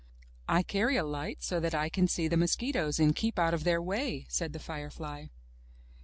'*I carry a light so that I can see the mosquitoes and keep out of their way,'* said the firefly.